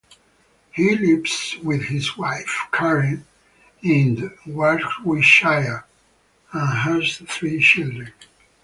He lives with his wife, Karen, in Warwickshire and has three children.